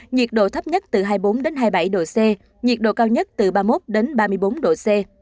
nhiệt độ thấp nhất từ hai mươi bốn hai mươi bảy độ c nhiệt độ cao nhất từ ba mươi một ba mươi bốn độ c